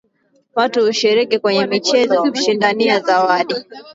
Watu hushiriki kwenye michezo kushindania zawadi